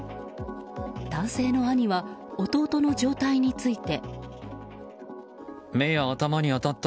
男性の兄は弟の状態について。